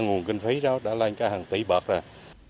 nguồn kinh phí đó đã lên hàng tỷ bậc rồi